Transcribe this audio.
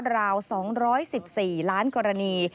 ราว๒๑๔ล้านกรณี